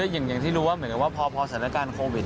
อย่างที่รู้ว่าเหมือนกับว่าพอสถานการณ์โควิด